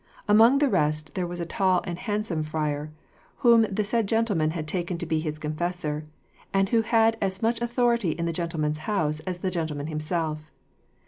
Among the rest there was a tall and handsome friar whom the said gentleman had taken to be his confessor, and who had as much authority in the gentleman's house as the gentleman himself.